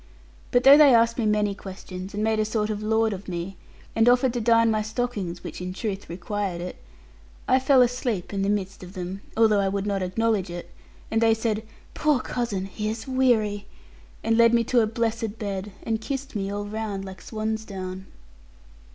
But though they asked me many questions, and made a sort of lord of me, and offered to darn my stockings (which in truth required it), I fell asleep in the midst of them, although I would not acknowledge it; and they said, 'Poor cousin! he is weary', and led me to a blessed bed, and kissed me all round like swan's down.